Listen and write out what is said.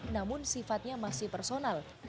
namun sifatnya masih personal